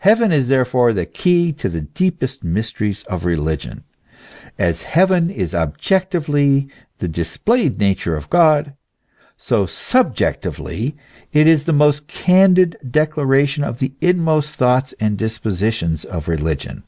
Heaven is therefore the key to the deepest mysteries of religion. As heaven is objectively the displayed nature of God, so subjectively it is the most candid declaration of the inmost thoughts and dispositions of religion.